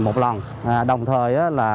một lần đồng thời là